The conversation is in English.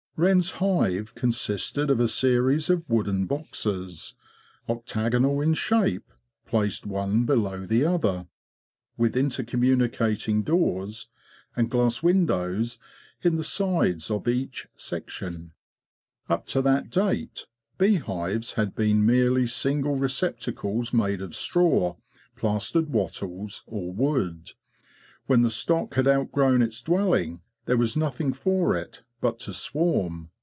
'' Wren's hive consisted of a series of wooden boxes, octagonal in shape, placed one below the other, with inter EVOLUTION OF THE MODERN HIVE 217 communicating doors, and glass windows in the sides of each section. Up to that date bee hives had been merely single receptacles made of straw, plastered wattles, or wood. When the stock had outgrown its dwelling there was nothing for it but to swarm.